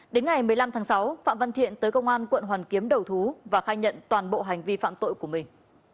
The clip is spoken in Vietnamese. đến ngày một mươi năm tháng sáu phạm văn thiện tới công an quận hoàn kiếm đầu thú và khai nhận toàn bộ hành vi phạm tội của mình